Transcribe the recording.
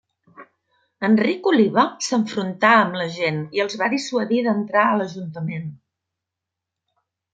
Enric Oliva s'enfrontà amb la gent i els va dissuadir d'entrar a l'ajuntament.